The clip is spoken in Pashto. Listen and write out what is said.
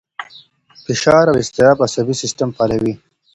فشار او اضطراب عصبي سیستم فعالوي.